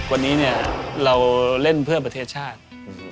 วันนี้เนี่ยเราเล่นเพื่อประเทศชาติ